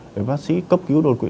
để bác sĩ cấp cứu đột quyền